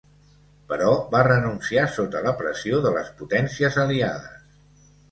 Però va renunciar sota la pressió de les Potències Aliades.